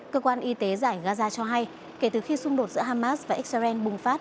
cơ quan y tế giải gaza cho hay kể từ khi xung đột giữa hamas và israel bùng phát